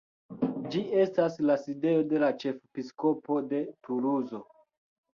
Ĝi estas la sidejo de la Ĉefepiskopo de Tuluzo.